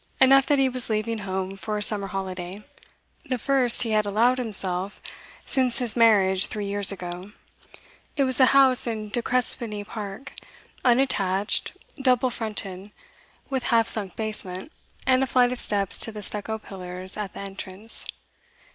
Enough that he was leaving home for a summer holiday the first he had allowed himself since his marriage three years ago. It was a house in De Crespigny Park; unattached, double fronted, with half sunk basement, and a flight of steps to the stucco pillars at the entrance.